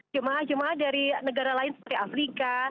jemaah jemaah dari negara lain seperti afrika